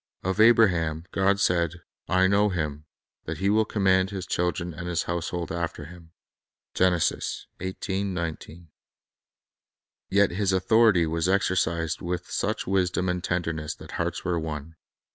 Of Abraham God said, "I know him, that he will command his children and his household after him." 2 Yet his authority was exercised with such wisdom and tenderness that hearts were won.